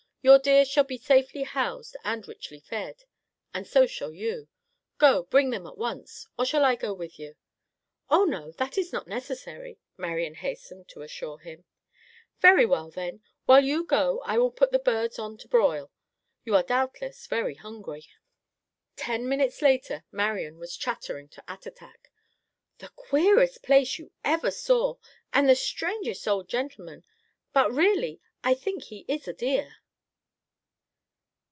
Your deer shall be safely housed and richly fed, and so shall you. Go bring them at once. Or shall I go with you?" "Oh no; that is not necessary," Marian hastened to assure him. "Very well then, while you go I will put the birds on to broil. You are doubtless very hungry." Ten minutes later Marian was chattering to Attatak: "The queerest place you ever saw; and the strangest old gentleman. But really, I think he is a dear."